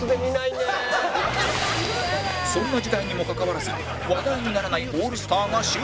そんな時代にもかかわらず話題にならないオールスターが集結！